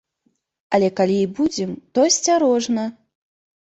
Але калі і будзем, то асцярожна!